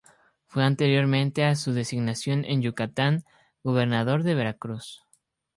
Fue anteriormente a su designación en Yucatán, gobernador de Veracruz.